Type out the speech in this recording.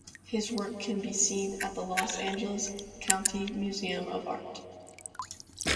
His work can be seen at the Los Angeles County Museum of Art.